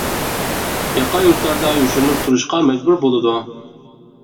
ياقا يۇرتلاردا يوشۇرۇنۇپ تۇرۇشقا مەجبۇر بولىدۇ.